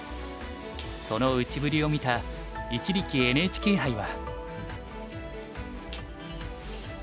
その打ちぶりを見た一力ＮＨＫ杯は。